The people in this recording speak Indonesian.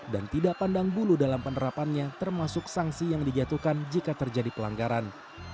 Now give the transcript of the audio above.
dan tidak pandang bulu dalam penerapannya termasuk sanksi yang dijatuhkan jika terjadi pelanggaran